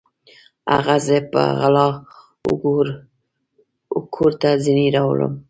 هغه زه په غلا وکور ته ځیني راوړم